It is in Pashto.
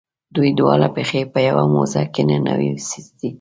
دوی دواړه پښې په یوه موزه کې ننویستي دي.